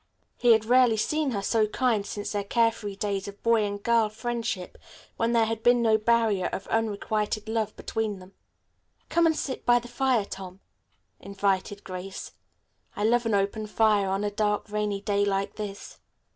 He had rarely seen her so kind since their carefree days of boy and girl friendship, when there had been no barrier of unrequited love between them. "Come and sit by the fire, Tom," invited Grace. "I love an open fire on a dark, rainy day like this."